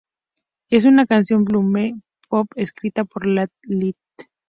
Es una canción Bubblegum pop co-escrita por Joel Little.